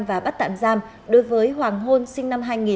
và bắt tạm giam đối với hoàng hôn sinh năm hai nghìn